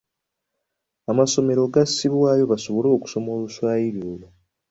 Amasomero gassibwayo basobole okusoma Oluswayiri olwo.